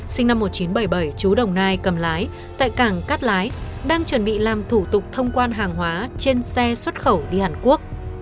sinh năm một nghìn chín trăm bảy mươi bảy chú đồng nai cầm lái tại cảng cát lái đang chuẩn bị làm thủ tục thông quan hàng hóa trên xe xuất khẩu đi hàn quốc